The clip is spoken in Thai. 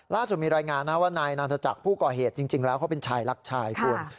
ล่าสุดมีรายงานนะว่านายนันทจักรผู้ก่อเหตุจริงแล้วเขาเป็นชายรักชายคุณ